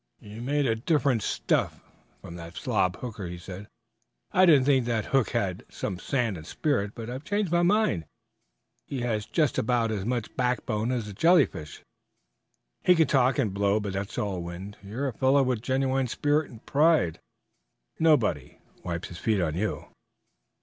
"You're made of different stuff from that soft slob Hooker," he said. "I did think that Hook had some sand and spirit, but I've changed my mind; he has just about as much backbone as a jellyfish. He can talk and blow, but it's all wind. You're a fellow with genuine spirit and pride; nobody wipes his feet on you."